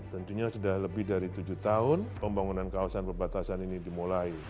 tentunya sudah lebih dari tujuh tahun pembangunan kawasan perbatasan ini dimulai